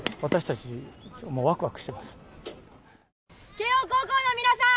慶応高校の皆さん